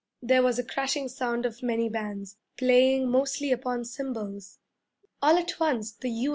There was a crashing sound of many bands, playing mostly upon cymbals. All at once the 'U.